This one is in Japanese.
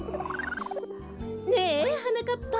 ねえはなかっぱ。